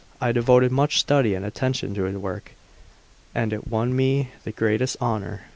I devoted much study and attention to this work, and it won me the greatest honour.